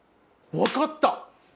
分かった！